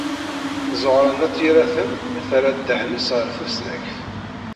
Ẓuhṛa n At Yiraten terra ddehn-nnes ɣer tusnakt.